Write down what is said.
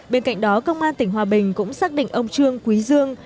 bên cạnh đó công an tỉnh hòa bình cũng xác định ông trương quý dương